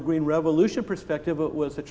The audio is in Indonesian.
dan dari perspektif revolusi hijau